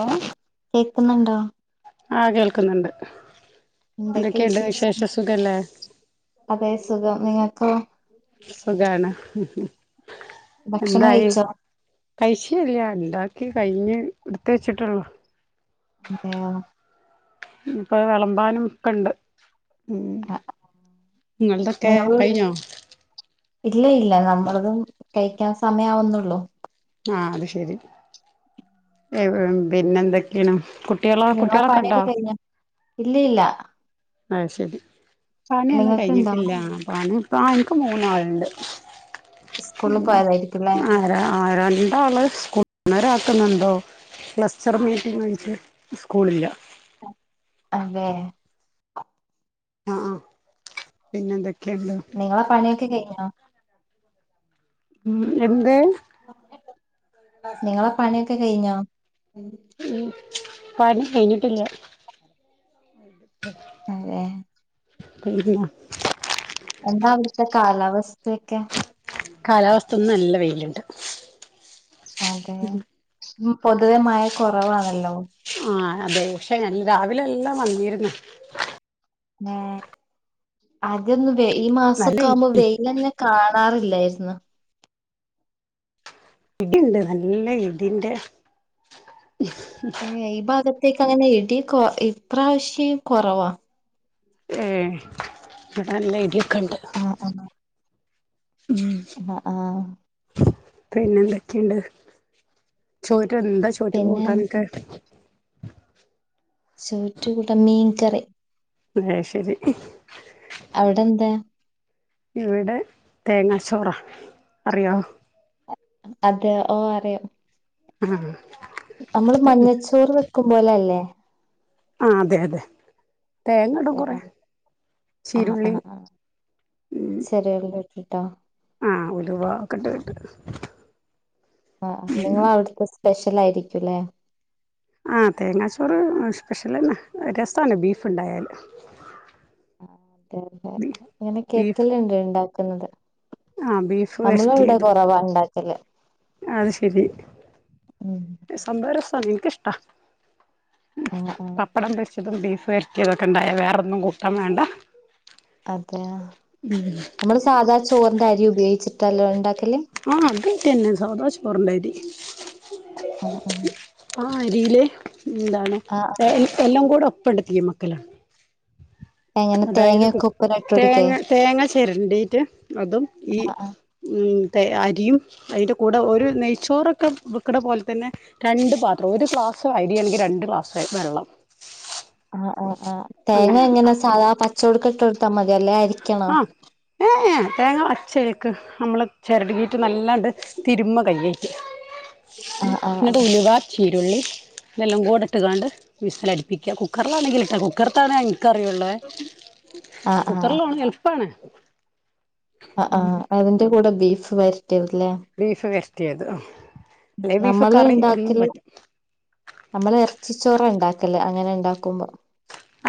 ഏഹ കേൾക്കുന്നുണ്ടോ ആഹ കേൾക്കുന്നുണ്ട് എന്തൊക്കെ എന്തൊക്കെയുണ്ട് വിശേഷം സുഖല്ലേ അതെ സുഖം നിങ്ങൾക്കോ സുഖാണ് ഉ ഭക്ഷണം എന്തായി കഴിച്ചോ പൈശല്ല എന്താ എ കഴിഞ്ഞ് എടുത്ത് വെച്ചിട്ടുള്ളു അതെയോ ഇപ്പൊ വിളമ്പാനും ഒക്കെ ഇണ്ട് ഉം ആ, നിങ്ങളതൊക്കെ നിങ്ങൾ കഴിഞ്ഞോ അല്ല നമ്മളതും കഴിക്കാൻ സമയം ആവുന്നുള്ളു ആഹ് അത് ശരി [unintelligible] പിന്നെന്തൊക്കെയാണ് കുട്ടികളോ നിങ്ങളെ കുട്ടികളൊക്കെണ്ടോ പണിയൊക്കെ കഴിഞ്ഞോ ഇല്ല ഇല്ല ആഹ് ശരി പണിയൊന്നും നിങ്ങൾക്കുണ്ടോ കഴിഞ്ഞിട്ടില്ല പണി ഇപ്പ എനിക്ക് മൂന്നാള്ണ്ട് സ്കൂളിൽ ഉ പോയതായിരിക്കുംല്ലേ ആരാ ആരന്താള് സ്കൂളരാക്കുന്നുണ്ടോ ക്ലസ്റ്റർ മീറ്റി വങ്ങിച്ചച്ച് സ്കൂളില്ല അതെ [unintelligible] ആഹ ആ പിന്നെ എന്തൊക്ക നിങ്ങളെ പണിയൊക്കെ കഴിഞ്ഞോ ഉം എന്ത് നിങ്ങളെ പണിയൊക്കെ കഴിഞ്ഞോ പ കഴഞ്ഞിട്ടില്ല അതെ ങ്ങ [unintelligible] ലക്കെ കാലാവസ്ഥ ഒന്നും നല്ല വെയിലുണ്ട് അതെ പൊതുവെ മഴ കുറവാണല്ലോ ആഹ അതെ പക്ഷെ ഞൻ രാവിലെ എല്ലാം വന്നിന്ന് ആദ്യൊന്ന വ ഈ നല്ല മാസമക്കെ ആവുമ്പോ വെൽ തന്നെ കാണ കാണാറില്ലായിരുന്നു ഇടുണ്ട് നല്ല ഇടിന്റെ ഏ ഈ ഭാഗത്തേക്ക് അങ്ങനെ ഇടി കൊ ഇപ്രാവശ്യം കൊറവാ ഏ നല്ല ഇതിൊക്കെ ഇണ്ട് ആഹ ആഹ പിന്നെന്തൊക്കെയണ്ട് ചോറ്റ എന്താ ചോറ്റു പിന്നെ പൂട്ടാനൊക്കെ ഉ [unintelligible] ചോറ്റ കൂടെ മീൻ കറി അ ശരി അവിടെ എന്താ ഇവിടെ തേങ്ങാ ചോറ അറിയോ അതെ ഓ അറിയോ ആ നമ്മള് മഞ്ഞച്ചോർ വെക്കും പോോലല്ലേ ആ അതെ അതെ തേങ്ങ ഇടും കൊറ ആഹ ആഹ ആഹ ശരികള ട്ടാ ആഹ് ഉലുവ ഒക്കെ ഇട്ടിട്ട് ആ ഉം നിങ്ങ അവിടുത്തെ സ്പെഷ്യൽ ആയിരിക്കുംല്ലേ ആ തേങ്ങാച്ചോറ് സ്പെഷ്യൽന്നെ രസമാണ് ബീഫ് ഉണ്ടായാല് ആ അതെ അതെ ഇങ്ങനെ ബീഫ് കേക്കല്ലാംണ്ട് ഉണ്ടാക്കുന്നത്. ആഹ് ബീഫ് നമ്മള ഇവിടെ വരട്ടിയതും കുറവാണ്ടാക്ക അത് ശരി ഉം സംമ്പരസാ നിക്ക്ഷ്ടാ ആഹ് ആഹ് പപ്പടം വച്ചതും ബീഫ് വരറ്റിയതൊക്കെ ഇണ്ടായ വേറെന്നും കൂട്ടാൻ വേണ്ട അതെ നമ്മള് സാധാ ചോറിന്റെ അരി ഉപയോഗിച്ചി ആഹ അതട്ടന്നെ സദ ചോറണ്ടായിത്. ആ ആ ആ അരിയിലെ എന്താണ് എല്ലാം കൂടെ ഒപ്പണ്ടത്തി മക്കലാണ്. എങ്ങനെ തേങ്ങൊക്കെ ഉപ്പ തേങ്ങ തേങ്ങ ചരണ്ടിട്ട് അതും ഈ ആഹ് ഉ അരിയും അതിൻ്റെ കൂടെ ഒരു നെയ്ച്ചോറൊക്കെ വിൽക്കുന്ന പോലെ തന്നെ രണ്ട് പാത്രം ഒരു ഫ്ലാസ് [unintelligible] എണക്ക് രണ്ട് ഗ്ലാസ് വെള്ളം. ആ ആ ആ് തേങ്ങ അങ്ങനെയാണ് എങ്ങനെ സാധാ പച്ചവടക്ക ഇട്ട് എടുത്താൽ മതി ല്ല ആരിക്കണം ആഹ് ഏ ഏ തേങ്ങ അച്ചയക്ക് നമ്മൾ ചിരുകിയിട്ട് നല്ലാണ്ട് തിരുമ്മ കയിട്ട് ആഹ് ആഹ് ആഹ് പിന്നട്ട ഉലവാ ചീരുള്ളി ഇതെല്ലാം കൂടെ ഇട്ട് കാണ്ട് വിസ്സിലടിപ്പിക്ക കുക്കറിലാണെങ്കിൽ ഇട്ട കുക്കറത്താണ് കറിയുള്ള ആഹ് കു ആഹ് എത്രള്ളമാണ് എളുപ്പാണ് ആഹ് ആഹ് അതിന്റെ കൂടെ ബീഫ് വരട്ടല്ലേ ത്തെത് നമ്മള് ഉണ്ടാക്കല് നമ്മള് ഇറച്ചിച്ചോറ ഉണ്ടാക്കല് അങ്ങനെ ഉണ്ടാക്കുമ്പോ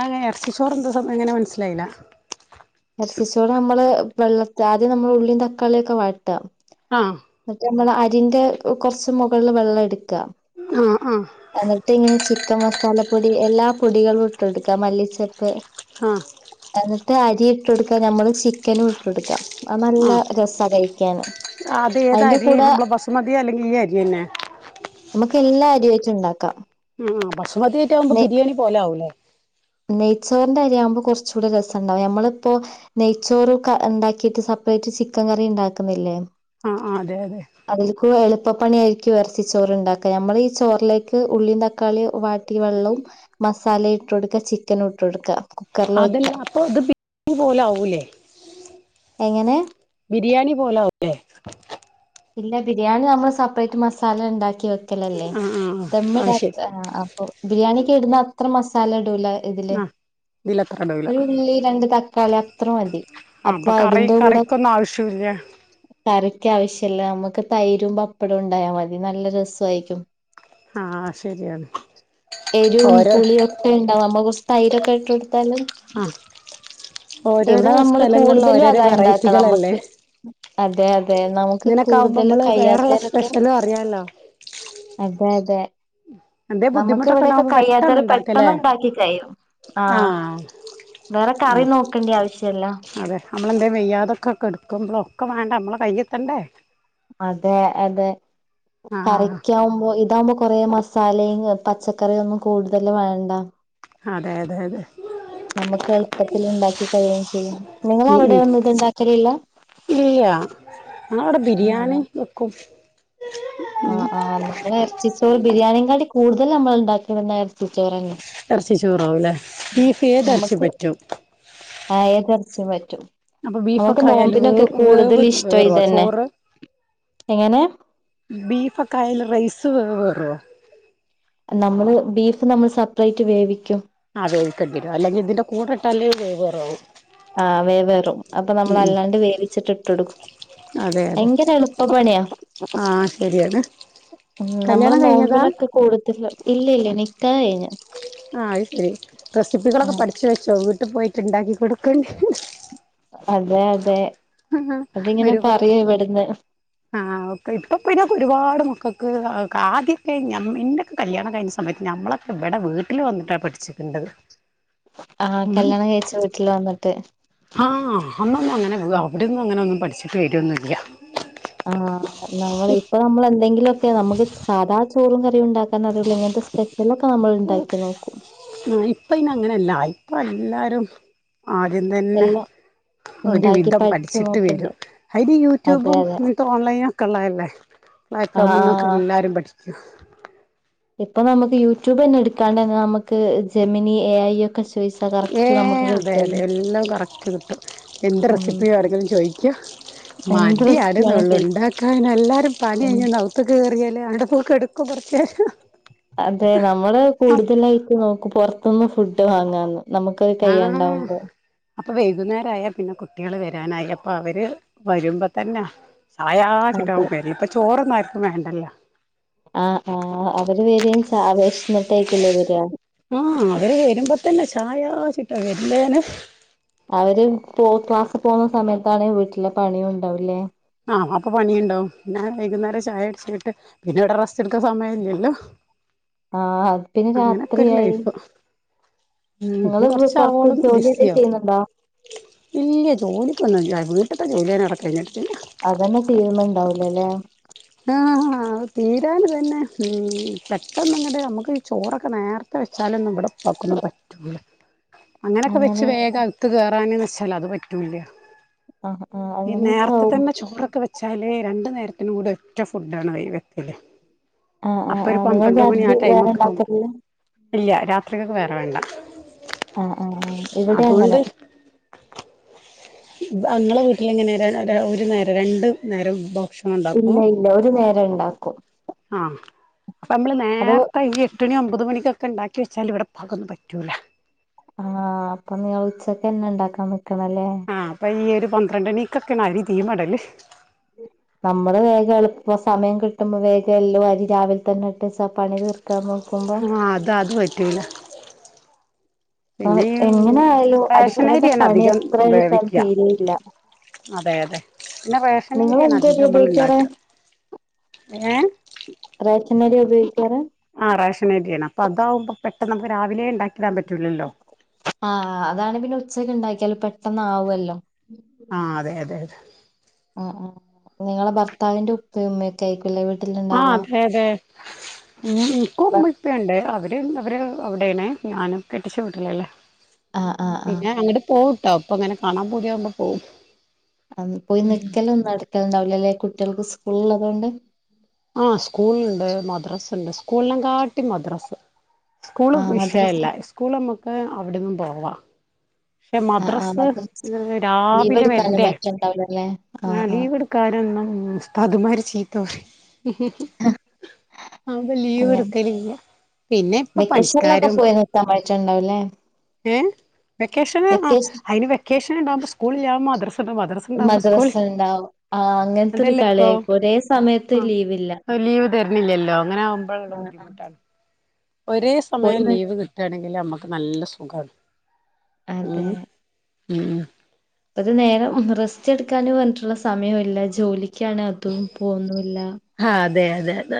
അങ്ങനെ ഇറച്ചിച്ചോറ് എന്താ സം എങ്ങനെ മനസ്സിലായില്ല നസിച്ചോടെ നമ്മള് വെള്ളത്തി ആദ്യം നമ്മൾ ഉള്ളീം തക്കാളിയൊക്കെ വാട്ടുക ആഹ നമ്മള അരിന്റെ കുറച്ച് മുകളിൽ വെള്ളം എടുക്കും ആഹ് ആഹ് എന്നിട്ട് ഇങ്ങനെ ചിക്കൻ മസാലപ്പൊടി എല്ലാം കുടികൾ വിട്ടെടുക്കാം മല്ലിച്ചപ്പ് ആ എന്നിട്ട് അരി ഇട്ട കൊടുക്കാ ഞമ്മള് ചിക്കനും ഇട്ട കൊടുക്കാം ആ നല്ല രസ കഴിക്കാന് അത അതിന്റെ ഏതായിരിയ കൂടെ നമ്മള് ബസ് മതിയ അല്ലെങ്കിൽ ഈ ആരിയ തന്നെ നമുക്ക് എല്ലാ അരി വച്ച് ഉണ്ടാക്കാം ഉ ആ ബസുമതിയരി ആകുമ്പൾ നെ ബിരിയാണി പോലാവുംല്ലേ നെയ്ച്ചോറിന്റെ അരിയാവുമ്പോൾ കുറച്ച കൂടെ രസംണ്ടാവും നമ്മളിപ്പോ നെയ്ച്ചോറ ഉണ്ടാക്കിട്ട് സെപ്പറേറ്റ് ചിക്കൻ കറി ഉണ്ടാക്കുന്നില്ലേ? ആഹ അതെ അതെ ഉപ്പപ്പണിയായിരിക്കും ഇറച്ചിച്ചോറ ഉണ്ടാക്ക നമ്മളീഈ ചോറിലേക്ക് ഉള്ളിയും തക്കാളിയ വാട്ടി വെള്ളവും മസാല ഇട്ട് കൊടുക്കുക ചിക്കൻ ഇട്ട് കൊടുക്കുക അതല്ല അപ്പൊ അത് ബി പോലെ ആവുലേ എങ്ങനെ ബിരിയാണി പോലല്ലേ ഇല്ല ബിരിയാണി നമ്മൾ സെപ്പറേറ്റ് മസാല ഉണ്ടാക്കി ല്ലല്ലേ ആഹ് ആഹ് ദം അത് ശരി ഇടാത്ത ബിരിയാണിക്കിടന്ന അത്ര മസാല [unintelligible] ഇതില് ആഹ് ഇതിലത്ര ഇടൂല ഒരു ഉള്ളി രണ്ട് തക്കാളി അത്ര മതി ആ അപ്പൊ കറി കറിക്കൊന്നും ആവശ്യം ഇല്ല കറിക്ക ആവശ്യല്ല നമുക്ക് തൈരും പപ്പടവും ഉണ്ടായാൽ മതി നല്ല രസമായിരിക്കും ആഹ് ശരിയാണ് എരും ഓരോ പുളിയൊക്കെ ഉണ്ടാവും നമ്മ തൈരൊക്കെ ഇട്ട് കൊടുത്താലും ആഹ് ഓരോരോ ഇവിടെ നമ്മൾ സ്ഥലങ്ങളിൽ കൂടുതലും ഓരോരോ അതാ ഉണ്ടാക്ക വെറൈറ്റികളല്ലേ നമുക്ക് അതെ അതെ നമുക്ക് ഇങ്ങനൊക്കെ ആകുമ്പോ കൂടുതൽ നമ്മള് വേറെള്ള കഴ്യാത്തരൊക്കെ സ്പെഷ്യലും അറിയാലോ അതെ അതെ എന്തേ നമുക്ക് ബുദ്ധിമുട്ടൊക്കെ ഇവിടെക്കെ ഉണ്ടാകുമ്പോ പെട്ടെന്ന് കഴിയാത്തവരു പെട്ടന്ന് ഉണ്ടാക്കല്ലേ ഇണ്ടാക്കി കഴിയും ആഹ് വേറെ കറി നോക്കേണ്ട ആവശ്യല്ല നമ്മളെന്താ വെയ്യാതൊക്കെക്കെടുക്ക്പളൊക്കെ വേണ്ട നമ്മള കൈയെത്തണ്ടേ അതെ അതെ ആഹ് കറിക്കാവുമ്പോ ഇതാമ്പോ കുറെ മസാലയും പച്ചക്കറിയും ഒന്നും കൂടുതല് വേണ്ട അതെ അതെ അതെ നമ്മുക്ക് എളുപ്പത്തിൽ ഉണ്ടാക്കി കഴിയും ചെയ്യാം നിങ്ങ ഉം അവിടെ ഉം ഒന്നും ഇത്ണ്ടാക്കലില്ല ഇല്ല ഞങ്ങളവിടെ ബിരിയാണി വെക്കും ആഹ് ആഹ് നമ്മൾ ഇറച്ചിച്ചോർ ബിരിയാണിയേ കാട്ടി കൂടുതൽ നമ്മൾ ഉണ്ടാക്കി [unintelligible] ഇറച്ചിച്ചോർന്നെ ച്ചിച്ചോറോ എല്ലേ നമുക്ക് ആഹ് ഏതർച്ചിം പറ്റും അപ്പൊ നമുക്ക് ബീഫൊക്കെ ആയാലല് വേ നോമ്പിനൊക്കെ കൂടുതൽ വേവ് ഇഷ്ടം വേറുവോ ഇതന്നെ ചോറ് എങ്ങനെ ബീഫൊക്കൊയാൽ റൈസ് വേ വേറോ നമ്മള് ബീഫ് നമ്മള് സെപ്പറേറ്റ് വേവിക്കും ആത്ഴിക്കേണ്ടി വരും അല്ലെങ്കിൽ ഇതിന്റെ കൂടെ ഇട്ടാല് വെവേറാവും ആഹ് വേ വെറും അപ്പൊ നമ്മള് അല്ലാണ്ട് വേവിച്ചിട്ട് ഇട്ടൊടുക്കും അതെ അതെ ഭയങ്കര എളുപ്പപ്പണിയാ ആഹ് ശരിയാണ് ഉം കല്യാണം കഴിഞ്ഞതാ നമ്മള്നോമ്പിനൊക്കെ കൂടൂതല് ഇല്ലല്ല നിക്കാഹ് കഴിഞ്ഞ ആ ഇല്ലേ റെസിപ്പികളൊക്കെ പഠിച്ചുവെച്ചൊ വീട്ടി പോയിട്ട്ണ്ടാക്കി കൊട്ക്കെണ്ടേരും അതേ അതെ. ആഹ് അതിങ്ങനെ ഒരുപാട് പറയും ഇവിടുന്ന് ആഹ് ഇപ്പപിന്നെ ഒരുപാട് മക്ക ക്ക് ആദ്യക്കെ എൻ്റെക്കെ കല്യാണം കഴിഞ്ഞ സമയത്ത് ഞമ്മളൊക്കെവ്ടെ വീട്ടില് വന്നിട്ടാ പഠിച്ച്ക്ണ്ടത്. ആഹ് കല്യാണംകയ്ച്ച വീട്ടില് വന്ന്ട്ട് ആഹ് അന്നൊന്നും അവിടിന്നങ്ങനെപഠിച്ച് ശീലൊന്നൂല്ല്യാ.. ആഹ് ആഹ് നമ്മളെയിപ്പനമ്മളെന്തെങ്കിലൊക്കെ നമുക്ക് സാധാചോറുംകറിയുണ്ടാക്കാനറിയുലെങ്കിൽ ഇങ്ങൻത്തെ സ്ഥലത്തെ [unintelligible] നമ്മള്ണ്ടാക്കി നോക്കും. ആഹ് ഇപ്പയ്നങ്ങനല്ലാ ഇപ്പെല്ലാരും ആദ്യംതന്നെ എല്ലാം ഉണ്ടാക്കി ഒരുവിധം പഠിച്ചു പഠിച്ചിട്ട് നോക്കണ്ട് വരും. അയ്ന് അതെ യൂറ്റൂബും അതെ ഇങ്ങനത്തെ ഓൺലൈനൊക്കെള്ളല്ലേ [unintelligible] ആഹ് മ്മന്നൊക്കെല്ലാരും പഠി ഇപ്പൊ നമുക്ക് യൂറ്റൂബന്നെട്ക്കാണ്ടെന്നെനമുക്ക് ജെമനി, എ ഐ ഒക് ഏയ് അതെയതെ എല്ലാം കറക്ക്റ്റ്കിട്ടും. എന്റെ ഉം റെസിപ്പിയെവ്ടെങ്കിലും ചോദിക്കും എന്ത് റെസിപ്പിയാണ് മടിയാണ്ന്നൊള്ളു ഇണ്ടാക്കാന്ല്ലാരും ചോയി പണികയിഞൊന്ന് അവ്ത്ക്കേറിയാല് അവ്ടെപോയ്‌കെട് [unintelligible] കൊറച്ചേരം. അതെ നമ്മള് കൂടുതലായിട്ട്നോക്കു പൊറത്‌ന്ന് ഫുഡ് വാങ്ങാന്ന്. നമുക്കത് ആഹ് കയ്യാണ്ടാവുമ്പോ അപ്പൊ വൈകുന്നേരായ പിന്നെ കുട്ട്യാള് വരാനായ അപ്പൊ അവര് വരുമ്പതന്നെ അതെ ചായച്ച്ട്ടാവുംപെരേത്തെ ചോറൊന്നാർ വേണ്ടല്ലൊ ആഹ് ആഹ് അവര് വരേം ച വെശന്ന്ട്ടായ്ക്കല്ലവര ആഹ് അവര് വരുമ്പതന്നെ ചായാ ച്ച്ട്ടാ വര്ന്റെനെ അവര് പോ ക്ലാസിപ്പൊവ്ന്ന സമയത്താണെ വീട്ടിലെ പണിംണ്ടാവുലേ ആഹ് അപ്പൊ പണീംണ്ടാവും പിന്നെ വൈകുന്നേരം ചായൊട്ചീട്ട് പിന്നെവ്ടെറെസ്റ്റെട്ക്കാസമയില്ലലോ ആഹ്അപ് പിന്നെ രാത്രിയായി. ഉം നിങ്ങള് പൊറത്ത് കൊറച്ചവോളം ജോലി എന്തേം ബിസ്സിയാവും ചെയ്യുന്നുണ്ടോ ഇല്ല്യ ജോലിക്കൊന്നൂല്യ വീട്ട്ത്തെ- [unintelligible] അതന്നെതീര്ന്ന്ണ്ടാവ് ല ല്ലെ.. ആഹ് അത് തീരാന് തന്നെ മ്... പെട്ടെന്ന്ങ്ട് അമ്മ്ക്ക്ചോറൊക്കെനേർത്തെവെച്ചാലൊന്നും ഇബടെ പ [unintelligible] അങ്ങനക്കെവെച്ച് അങ്ങനെ വേഗം അഗ്ത്ത് കേറാന് ന്ന് വെച്ചാലത് പറ്റൂല്ല്യാ... ആഹ് ആഹ് ഇ അങ്ങനെയൊക്കെ നേർച്ചക്കുള്ള ആവുമ്പോ ചോറൊക്കെയോ രണ്ടുനേരത്തിനുംകൂടെ ഒറ്റഫുഡാണ് വെയ് വെക്കല്. ആഹ് ആഹ് അപ്പൊരു ആഹ് നിങ്ങൾ പന്ത്രണ്ടുമണി രാത്രി അ വേറെ ടൈമൊക്കാവുമ്പോ ഇണ്ടാക്കലില്ല ഇല്ല്യ രാത്രിക്കക്ക് വേറെവേണ്ട. ആ.. അ അ ഇവിടേം അങ്ങനെ അങ്ങളെ വീട്ടിലെങ്ങനെ ഒരു നേരൊ രണ്ടു നേരം - ഇല്ലയില്ല ഒരു നേരണ്ട അ അപ്പമ്മ്ള് അത് നേർത്തഇ എട്ടണിഒമ്പതണിക്കൊക്കെ- ഒക്കെണ്ടാക്കിവെച്ചാല് ഇബരെ ഉപ്പാക്കൊന്നും പറ്റൂലാ... ആ.. അപ്പനിങ്ങള് ഉച്ചക്കെന്നെണ്ടാക്കാൻ പറ്റൊ- അ അപ്പഞീ.. ഒരു പന്ത്രണ്ടണികൊക്കാണ് അരി തീയിമ്മടല്. ഉംമ്. നമ്മള് വേഗം അല്ലെങ്കിൽ സമയംകിട്ടുമ്പോ വേഗയെല്ലോഅരി രാവിലെതന്നെട്ട് പണി തീർ- ആ.. അതത് പറ്റൂലാ.. പിന്നെഞാ.. ങ് എങ്ങനെ ആയാലും അടുക്കളത്തെ പണി റേഷനരിയാണധികം എത്ര എടുത്താലും വേവിക്ക. തീരെയില്ല അതെ അതെ പിന്നെ റേഷനരിയാണ് അധികം നമ്മൾ ഉണ്ടാക്കുക ഏഹ് റേഷൻനരിയാ ഉപയോഗിക്കാറ്? ആ റേഷനരിയാണ് അപ്പൊ അതാവുമ്പ പെട്ടന്ന് നമുക്ക്‌ രാവിലെ ഉണ്ടാക്കി ആ അതാണ് പിന്നെ ഉച്ചക്ക് ഉണ്ടാക്കിയാലും പെട്ടന്ന് ആവുമല്ലോ ആ അതെ അതെ അതെ ആ നിങ്ങള ഭർത്താവിന്റെ ഉപ്പ ഉമ്മയൊക്കെ ആയിക്കൂല്ലേ വീട്ടില് ഇണ്ടാവ ഇനിക്കും ഉമ്മ ഉപ്പുയുണ്ട് അവര് അവിടൊയാണ് ഞാന് കെട്ടിച്ച വിട്ടലല്ലേ ആഹ് ആഹ് പിന്നെ അങ്ങോട്ട് പോവുട്ടോ അപ്പൊ അങ്ങനെ കാണാൻ പൂതിയാകുമ്പോ പോകും പോയി നിക്കലും ഒന്നും നടക്കലുണ്ടാവിലല്ലേ കുട്ടികൾക്ക് സ്കൂളള്ളത് കൊണ്ട് ആ സ്കൂളുണ്ട് മദ്രാസുണ്ട് സ്കൂളല്ലാ കാട്ടി മദ്രാസ് സ്കൂള് ആഹ് മദ്രസ വിഷയല്ല സ്കൂള് നമ്മുക്ക് അവിടെന്നും പോവാ പക്ഷെ ആഹ് ആഹ് മദ്രാസ് മദ്രസ ലീവ് രാവിലെ എടുക്കാനും വരണ്ടേ പറ്റ്ണ്ടാവൂലല്ലേ? ആഹ് ആഹ് ലീവ് എടുക്കാനും ഉസ്താദ് മാര് ചീത്ത പറയും ആതൊണ്ട് ലീവ് അങ്ങനെ എടുക്കലില്ല പിന്നെ ഇപ്പൊ പണിക്കാരും മറ്റുമുണ്ടാവില്ലേ ഏ വെക്കേഷന് ആ അയിന് വെക്കേഷൻ ഉണ്ടാവകുമ്പോ സ്കൂളല്ല മദറസയുണ്ടാകുമ്പോൾ മദ്രസ സ്കൂളില്ല ഇണ്ടാവും ആഹ് അങ്ങനത്തൊരു അതെല്ലെ ഇപ്പോ കളിയായിപ്പോ ഒരേ സമയത്ത് ലീവില്ല. ആ ഒരു ലീവ് തര- ഇലില്ലോ അങ്ങനെ ആകുമ്പോഴുള്ള ആഹ് ആഹ് ബുദ്ധിമുട്ടാണ് ഒരേ പോയി സമയം നി ലീവ് കിട്ടുകയാണെങ്കിൽ നമക്ക് നല്ല സുഖമാണ് അതെ ഉം ഉം ഒരു നേരം റെസ്റ്റ് എടുക്കാനും പറഞ്ഞിട്ടുള്ള സമയമില്ല ജോലി അതും പോന്നുല്ല ആഹ് അതെ അതെ അത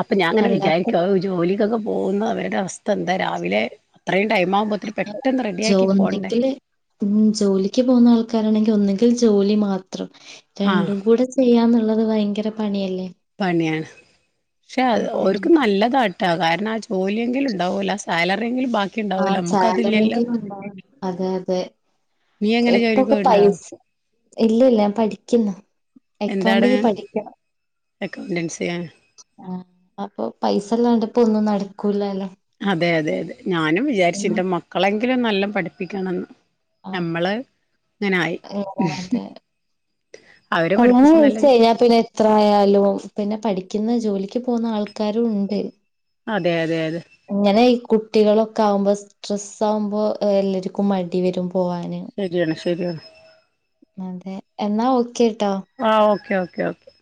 അപ്പൊ ഞാനങ്ങനെ അല്ലാത്ത വിചാരിക്കും അ ജോലിക്കൊക്കെ പോകുന്ന അവരുടെ അവസ്ഥ എന്താ രാവിലെ അത്രയും ടൈം ആകുമ്പോത്തിന് പെട്ടെന്ന് റെഡിയാക്കി പോണ്ടേ തേന്നെങ്കില് ഉ ജോലിക്ക് പോകുന്ന ആൾക്കാ കാരാണെങ്കിൽ ഒന്നെങ്കിൽ ജോലി മാത്രം ആഹ് രണ്ടും കൂടെ ചെയ്യാന്നുള്ളത് ഭയങ്കര പണിയല്ലേ പണിയാണ് പക്ഷെ അതെ ഓർക്ക് നല്ലതാ- കാരണം ആ ജോലിയെങ്കിലും ഉണ്ടാവൂല്ലേ സാലറിയെങ്കിലും ബാക്കി- ആ ഉണ്ടാവൂല നമ്മുക്കതില്ലല്ലോ സാലറിങ്കിലും ഉണ്ടെ അതെ അതെ നീ എങ്ങനെ ജോലിക്ക് ഇപ്പൊക്കെ പോയിണ്ടോ പൈസ ഇല്ല ഇല്ല ഞാൻ പഠിക്കുന്നു അക്കൗണ്ടിങ് പഠിക്കണം അക്കൗണ്ടൻസി ആ അപ്പൊ പൈസ ഇല്ലാണ്ടിപ്പോ ഒന്നുംനടക്കൂല്ലല്ലോ അതെ അതെ അതെ ഞാനും വിചാരിച്ചു എന്റ മക്കളെങ്കിലും നല്ല പഠിപ്പിക്കണമെന്ന് ആഹ് നമ്മള് ഇങ്ങനായി [unintelligible] അതെ അവരെ കല്യാണം പഠിപ്പിച്ച് നല്ല കഴിച്ച്കഴഞ്ഞാ പിന്നെ എത്ര ആയാലും പിന്നെ പഠിക്കുന്ന ജോലിക്ക് പോകുന്ന ആൾക്കാരു ഉണ്ട് അതെ അതെ അതെ അങ്ങനെ ഈ കുട്ടികളൊക്കെ ആകുമ്പോ സ്ട്രെസ്സ് ആകുമ്പോ എല്ലാർക്കും മടി വരും പോവാന് ശരിയാണ് ശരിയാണ് അതെ എന്നാ ഓക്കെ ആ ഓക്കേ ഓക്കേ ഓക്കേ